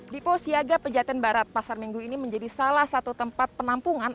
depo siaga pejaten barat pasar minggu ini menjadi salah satu tempat penampungan